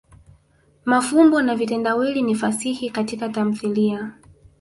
mafumbo na vitendawili ni fasihi Katika tamthilia.